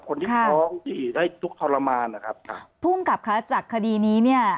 คนที่ท้องที่ได้ทุกข์ทรมานนะครับค่ะภูมิกับค่ะจากคดีนี้เนี่ย